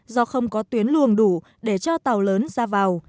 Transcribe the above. do không có tuyến luồng đủ để cho tàu lớn ra vào